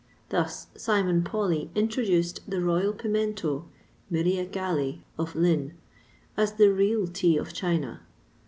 Thus Simon Pauli introduced the royal pimento (myria gale of LINN.), as the real tea of China.